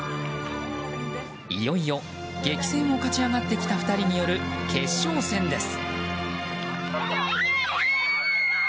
いよいよ激戦を勝ち上がってきた２人による決勝戦です。